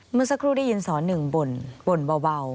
เมื่อสักครู่ได้ยินสอนหนึ่งบ่นบ่นเบา